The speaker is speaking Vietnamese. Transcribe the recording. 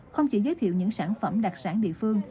không chỉ giới thiệu những sản phẩm đặc sản địa phương